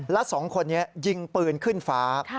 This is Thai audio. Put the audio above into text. และสองคนนี้ยิงปืนขึ้นฟ้า